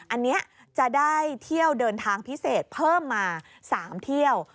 อันนี้จะได้เที่ยวเดินทางพิเศษเพิ่มมา๓เที่ยว